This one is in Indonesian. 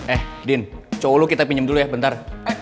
eh din cowok lo kita pinjem dulu ya bentar